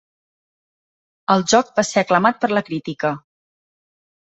El joc va ser aclamat per la crítica.